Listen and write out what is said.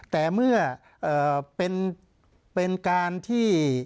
แต่เมื่อเป็นการที่